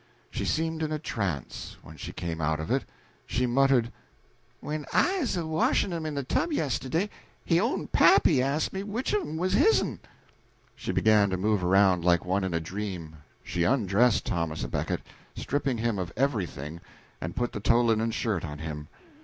She seemed in a trance; when she came out of it she muttered, "When I 'uz a washin' 'em in de tub, yistiddy, his own pappy asked me which of 'em was his'n." She began to move about like one in a dream. She undressed Thomas à Becket, stripping him of everything, and put the tow linen shirt on him.